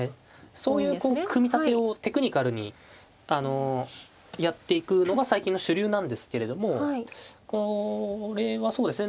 そういう組み立てをテクニカルにやっていくのが最近の主流なんですけれどもこれはそうですね